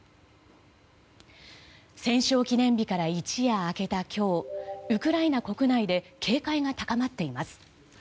戦勝記念日から一夜明けた今日ウクライナ国内で警戒が高まっています。